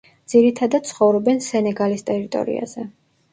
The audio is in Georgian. ძირითადად ცხოვრობენ სენეგალის ტერიტორიაზე.